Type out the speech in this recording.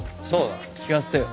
聴かせてよ。